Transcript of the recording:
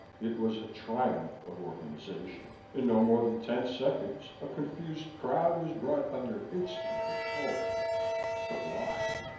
It was a triumph of organization; in no more than ten seconds, a confused crowd was brought under instant control. But why?